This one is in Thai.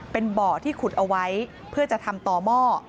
เป็นบ่อที่ขุดเอาไว้เพื่อจะทำต่อหม้อ